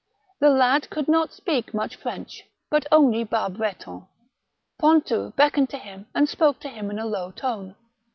The lad could not speak much French, but only bas Breton. Pontou beckoned to him and spoke to him in a low tone.